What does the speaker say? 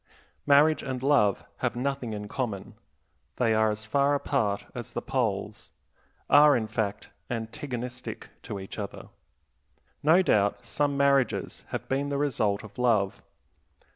Marriage and love have nothing in common; they are as far apart as the poles; are, in fact, antagonistic to each other. No doubt some marriages have been the result of love.